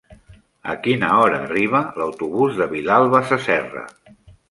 A quina hora arriba l'autobús de Vilalba Sasserra?